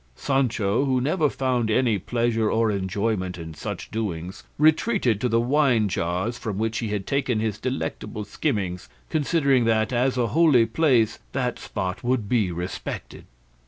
Sancho, who never found any pleasure or enjoyment in such doings, retreated to the wine jars from which he had taken his delectable skimmings, considering that, as a holy place, that spot would be respected.